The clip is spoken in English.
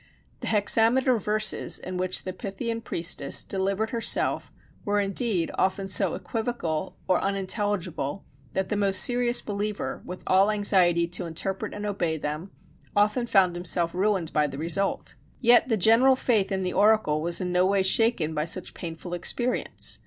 The hexameter verses in which the Pythian priestess delivered herself were indeed often so equivocal or unintelligible, that the most serious believer, with all anxiety to interpret and obey them, often found himself ruined by the result. Yet the general faith in the oracle was no way shaken by such painful experience.